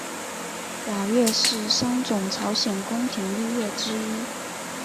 雅乐是三种朝鲜宫廷音乐之一。